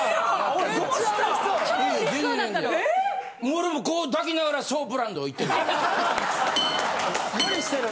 俺もこう抱きながらソープランド行ってるよ。